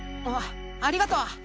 あありがとう。